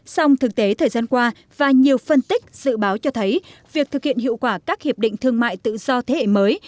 song thực tế thời gian qua và nhiều phân tích dự báo cho thấy việc thực hiện hiệu quả các hiệp định thương mại tự do thế hệ mới